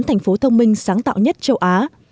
thành phố thông minh sáng tạo nhất châu á